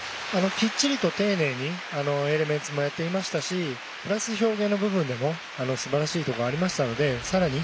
きっちりと丁寧にエレメンツもやっていましたしプラス、表現の部分でもすばらしいところがありましたのでさらに